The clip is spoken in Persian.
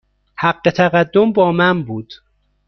حق تقدم با من بود.